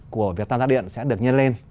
của việc tăng gia điện sẽ được nhân lên